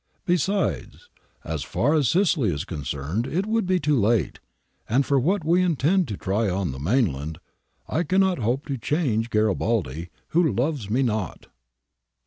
Besides, as far as Sicily is concerned, it would be too late. And for what we intend to try on the mainland, I cannot hope to change Garibaldi, who loves me not.'